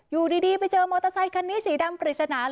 อยู่ดีไปเจอมอเตอร์ไซคันนี้สีดำปริศนา